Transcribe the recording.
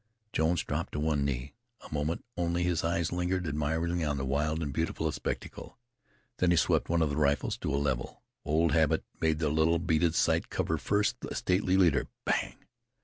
Jones dropped on one knee. A moment only his eyes lingered admiringly on the wild and beautiful spectacle; then he swept one of the rifles to a level. Old habit made the little beaded sight cover first the stately leader. Bang!